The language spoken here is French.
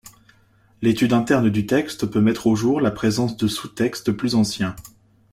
L'étude interne du texte peut mettre au jour la présence de sous-textes plus anciens.